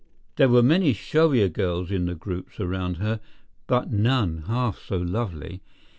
There were many showier girls in the groups around her, but none half so lovely.